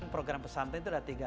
program pesantren itu ada tiga